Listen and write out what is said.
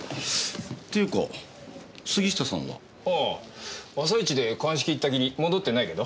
っていうか杉下さんは？ああ朝一で鑑識行ったきり戻ってないけど。